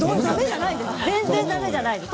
全然だめじゃないです。